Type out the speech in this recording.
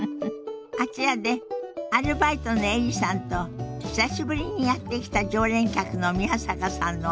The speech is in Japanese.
あちらでアルバイトのエリさんと久しぶりにやって来た常連客の宮坂さんのおしゃべりが始まりそうよ。